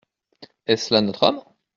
Est-ce là notre homme ?